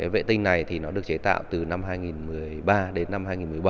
vệ tinh này thì nó được chế tạo từ năm hai nghìn một mươi ba đến năm hai nghìn một mươi bảy